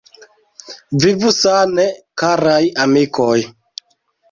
Vivu sane, karaj amikoj!